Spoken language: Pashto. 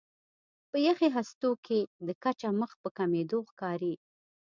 په یخي هستو کې د کچه مخ په کمېدو ښکاري.